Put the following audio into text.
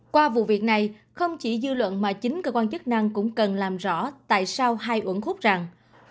qua vụ việc này không chỉ dư luận mà chính cơ quan chức năng cũng cần làm rõ tại sao hai uẩn khúc rằng